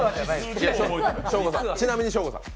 ちなみにショーゴさん。